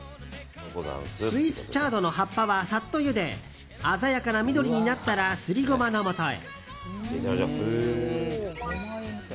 スイスチャードの葉っぱはサッとゆで鮮やかな緑になったらすりゴマのもとへ。